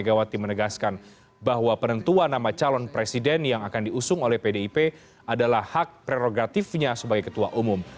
megawati menegaskan bahwa penentuan nama calon presiden yang akan diusung oleh pdip adalah hak prerogatifnya sebagai ketua umum